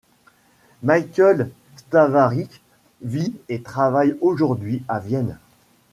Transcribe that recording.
Michael Stavarič vit et travaille aujourd'hui à Vienne.